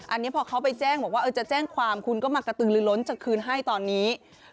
อันนี้พอเขาไปแจ้งบอกว่าจะแจ้งความคุณก็มากระตือลือล้นจะคืนให้ตอนนี้